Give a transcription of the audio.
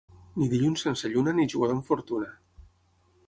Ni dilluns sense lluna, ni jugador amb fortuna.